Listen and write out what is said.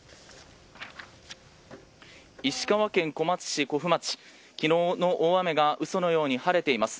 石川県小松市古府町昨日の大雨が嘘のように晴れています。